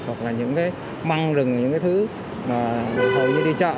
hoặc là những cái măng rừng những cái thứ mà hầu như đi chợ